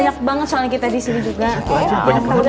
ya selamat dulu ya